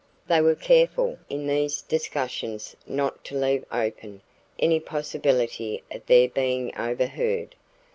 They were careful in these discussions not to leave open any possibility of their being overheard.